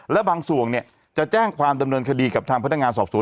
และบางส่วนจะแจ้งความดำเนินคดีกับทางพนักงานสอบสวน